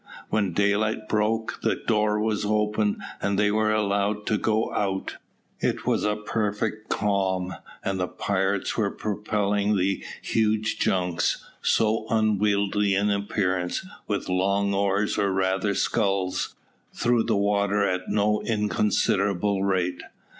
When daylight broke, the door was opened, and they were allowed to go out. It was a perfect calm, and the pirates were propelling their huge junks, so unwieldy in appearance, with long oars, or rather sculls, through the water at no inconsiderable rate.